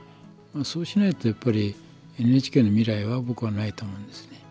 そうしないとやっぱりＮＨＫの未来は僕はないと思うんですね。